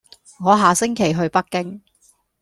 我下星期去北京